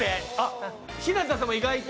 日向ちゃんも意外と。